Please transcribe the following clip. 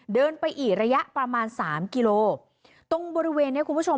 เดินไปอีกระยะประมาณสามกิโลตรงบริเวณเนี้ยคุณผู้ชม